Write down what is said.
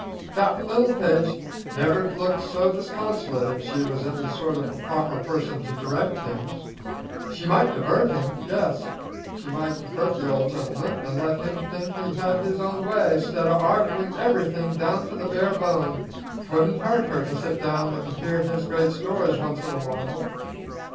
"Cap'n Littlepage never'd look so disconsolate if she was any sort of a proper person to direct things. She might divert him; yes, she might divert the old gentleman, an' let him think he had his own way, 'stead o' arguing everything down to the bare bone. 'Twouldn't hurt her to sit down an' hear his great stories once in a while."